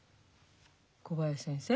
小林先生？